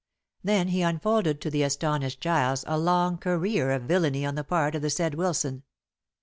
Then he unfolded to the astonished Giles a long career of villany on the part of the said Wilson.